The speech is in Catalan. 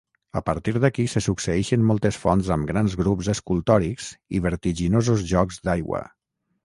A partir d'aquí, se succeeixen moltes fonts amb grans grups escultòrics i vertiginosos jocs d'aigua.